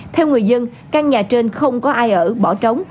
theo người dân căn nhà trên không có ai ở bỏ trống